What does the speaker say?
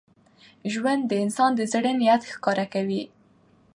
ژوند د انسان د زړه نیت ښکاره کوي.